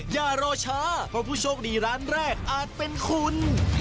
อย่ารอช้าเพราะผู้โชคดีร้านแรกอาจเป็นคุณ